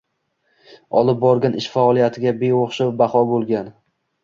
Olib borgan ish faoliyatiga beoʻxshov baho boʻlgan